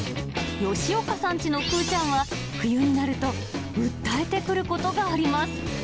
吉岡さんちのクーちゃんは、冬になると、訴えてくることがあります。